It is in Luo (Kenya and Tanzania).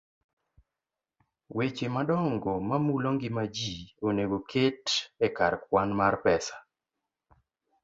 Weche madongo mamulo ngima ji onego oket e kar kwan mar pesa